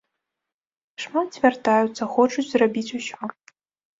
Шмат звяртаюцца, хочуць зрабіць усё.